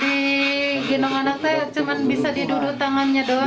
di gendong anaknya cuma bisa diduduk tangannya doang